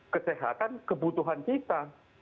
kesehatan kebutuhan kita